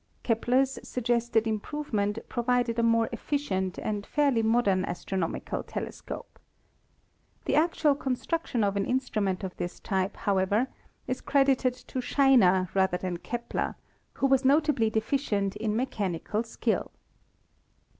Kepler's suggested improvement provided a more effi cient and fairly modern astronomical telescope. The actual construction of an instrument of this type, however, is credited to Scheiner rather than Kepler, who was not ably deficient in mechanical skill.